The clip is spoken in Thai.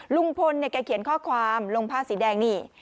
ลุงพลเนี่ยแกเขียนข้อความลงผ้าสีแดงนี่